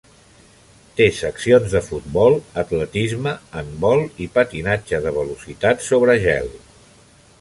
Té seccions de futbol, atletisme, handbol i patinatge de velocitat sobre gel.